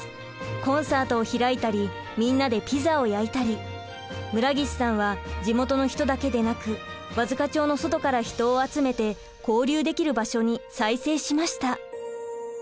コンサートを開いたりみんなでピザを焼いたり村岸さんは地元の人だけでなく和束町の外から人を集めて交流できる場所に再生しました。